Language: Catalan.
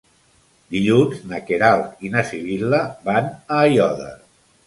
Dilluns na Queralt i na Sibil·la van a Aiòder.